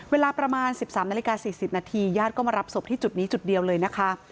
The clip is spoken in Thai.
เวลาประมาณ๑๓นาฬิกา๔๐นาทีญาติก็มารับศพที่จุดนี้จุดเดียวเลยนะคะ